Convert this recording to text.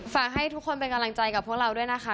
ฝากให้ทุกคนเป็นกำลังใจกับพวกเราด้วยนะคะ